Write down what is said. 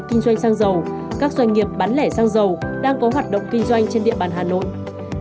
kinh doanh sang giàu các doanh nghiệp bán lẻ sang giàu đang có hoạt động kinh doanh trên địa bàn hà nội